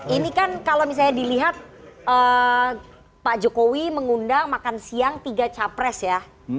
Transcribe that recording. ini kan kalau misalnya dilihat pak jokowi mengundang makan siang tiga capres ya